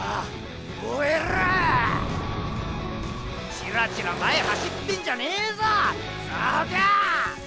チラチラ前走ってんじゃねーぞ総北ゥ！